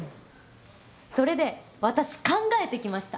それで私考えてきました。